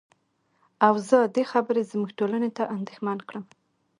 او زه دې خبرې زمونږ ټولنې ته اندېښمن کړم.